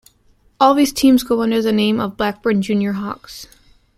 All these teams go under the name of Blackburn Junior Hawks.